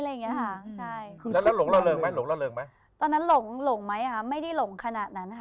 แล้วหลงเราเลิกไหมตอนนั้นหลงไหมไม่ได้หลงขนาดนั้น